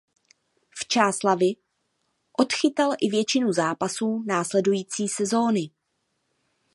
V Čáslavi odchytal i většinu zápasů následující sezóny.